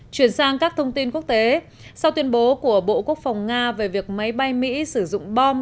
chuyển sang các thông tin quốc tế sau tuyên bố của bộ quốc phòng nga về việc máy bay mỹ sử dụng bom